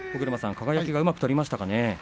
輝がうまく取りましたかね。